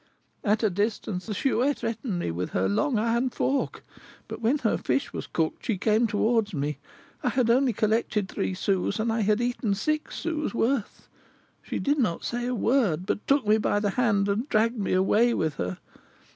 "At a distance, the Chouette threatened me with her long iron fork; but when her fish was cooked, she came towards me. I had only collected three sous, and I had eaten six sous' worth. She did not say a word, but took me by the hand and dragged me away with her.